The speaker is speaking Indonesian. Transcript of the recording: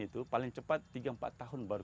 itu paling cepat tiga empat tahun baru